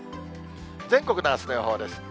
全国のあすの予報です。